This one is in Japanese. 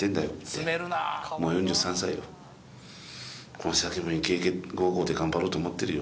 この先もイケイケゴーゴーで頑張ろうと思ってるよ。